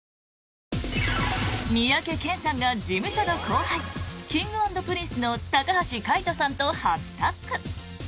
三宅健さんが、事務所の後輩Ｋｉｎｇ＆Ｐｒｉｎｃｅの高橋海人さんと初タッグ。